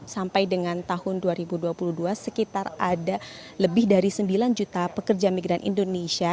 sampai dengan tahun dua ribu dua puluh dua sekitar ada lebih dari sembilan juta pekerja migran indonesia